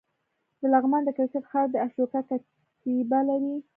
د لغمان د کرکټ ښار د اشوکا کتیبه لري